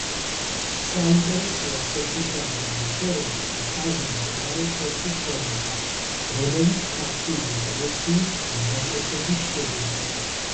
საინტერესოა სოფლისაგან მოშორებით მთაზე მდებარე თეთრი შენობა, რომელიც ქართული ეკლესიის გადაკეთების შედეგია.